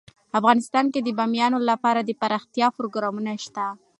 افغانستان کې د بامیان لپاره دپرمختیا پروګرامونه شته.